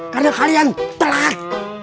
karena kalian telat